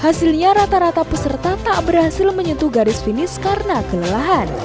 hasilnya rata rata peserta tak berhasil menyentuh garis finis karena kelelahan